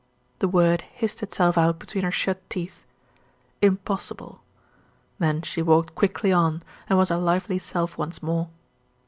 The word hissed itself out between her shut teeth "impossible." Then she walked quickly on, and was her lively self once more.